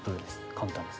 簡単です。